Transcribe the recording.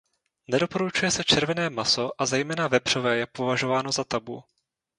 Nedoporučuje se červené maso a zejména vepřové je považováno za tabu.